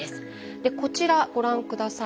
でこちらご覧下さい。